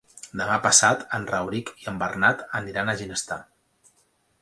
Demà passat en Rauric i en Bernat aniran a Ginestar.